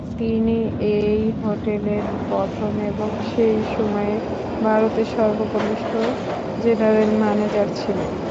তিনি এই হোটেলের প্রথম এবং সেই সময়ে ভারতের সর্বকনিষ্ঠ জেনারেল ম্যানেজার ছিলে।